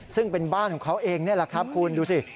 ซึ่งเป็นบ้านของเขาเองนี่แหละครับคุณดูสิ